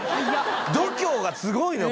度胸がすごいのよ